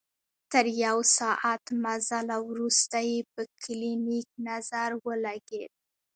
تر يو ساعت مزله وروسته يې په کلينيک نظر ولګېد.